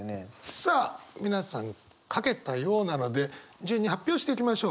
さあ皆さん書けたようなので順に発表していきましょう。